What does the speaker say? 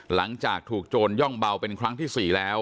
หลังจากถูกโจรย่องเบาเป็นครั้งที่๔แล้ว